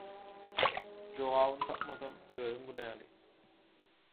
Jogabyn tapmasam özüm günäli.